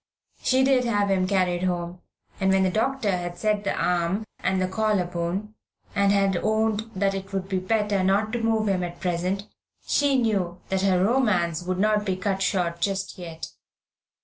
She did have him carried home, and when the doctor had set the arm and the collar bone, and had owned that it would be better not to move him at present, she knew that her romance would not be cut short just yet.